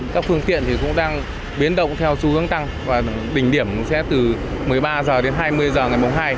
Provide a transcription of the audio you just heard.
các phương tiện cũng đang biến động theo xu hướng tăng và đỉnh điểm sẽ từ một mươi ba giờ đến hai mươi giờ ngày hai